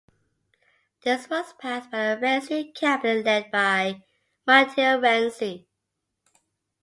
This was passed by the Renzi Cabinet led by Matteo Renzi.